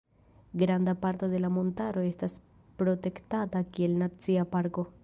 Granda parto de la montaro estas protektata kiel Nacia Parko.